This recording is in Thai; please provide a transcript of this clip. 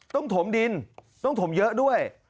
ถมดินต้องถมเยอะด้วย